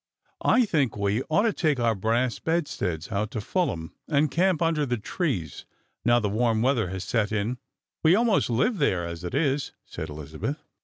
" I think we ought to take our brass bedsteads out to Fulham, and camp under the trees, now the warm weather has set in. We almost live there, as it is," said Elizabeth.